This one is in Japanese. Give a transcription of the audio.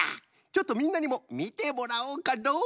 ちょっとみんなにもみてもらおうかのう。